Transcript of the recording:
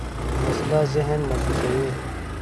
وسله ذهن مشوشوي